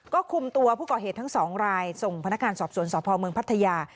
ก็คุมตัวผู้ก่อเหตุทั้งสองรายส่งพนักงานสอบสวนสพเมืองพัทยา